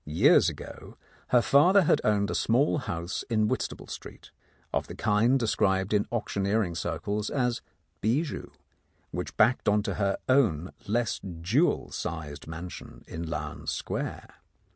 Years ago her father had owned a small house in Whitstaple Street, of the kind described in auctioneering circles as "bijou," which backed on to her own less jewel sized mansion in Lowndes Square.